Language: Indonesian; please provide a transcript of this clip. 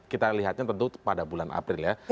kita lihatnya tentu pada bulan april ya